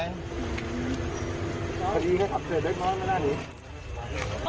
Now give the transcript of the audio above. พี่ถูกถามเสดตัวนะ